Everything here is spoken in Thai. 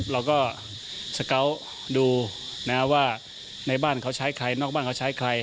เราก็สเกาะดูว่าในบ้านเขาใช้ใครนอกบ้านเขาใช้ใคร